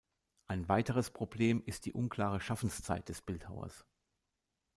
Ein weiteres Problem ist die unklare Schaffenszeit des Bildhauers.